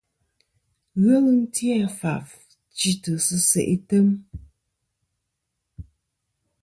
Ghelɨ ti a faf chitɨ sɨ se' item.